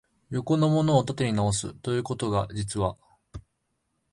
横のものを縦に直す、ということが、実は、